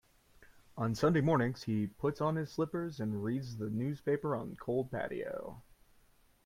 On Sunday mornings, he puts on his slippers and reads the newspaper on the cold patio.